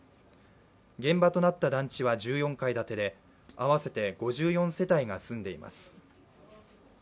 現場となった団地は１４階建てで合わせて５４世帯が住んでいます。